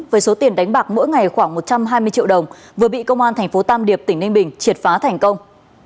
với số tiền đánh bạc mỗi ngày khoảng một trăm hai mươi triệu đồng vừa bị công an thành phố tam điệp tỉnh ninh bình triệt phá thành công